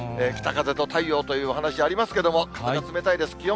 北風と太陽というお話がありますけれども、風が冷たいです。